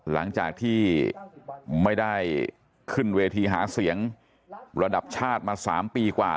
หลังจากที่ไม่ได้ขึ้นเวทีหาเสียงระดับชาติมา๓ปีกว่า